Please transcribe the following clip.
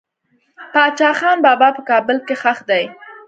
باچا خان بابا په کابل کې خښ دي.